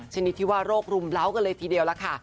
ชนิดที่ว่าโรครุมเล้ากันเลยทีเดียวล่ะค่ะ